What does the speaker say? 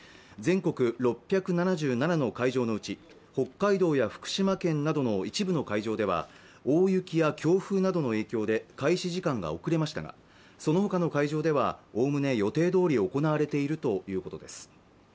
全国６７７の会場のうち北海道や福島県などの一部の会場では大雪や強風などの影響で開始時間が遅れましたがそのほかの会場ではおおむね予定どおり行われているということです